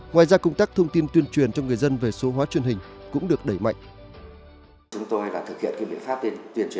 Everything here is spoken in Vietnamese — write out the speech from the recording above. ngoài ra công tác thông tin tuyên truyền cho người dân về số hóa truyền hình cũng được đẩy mạnh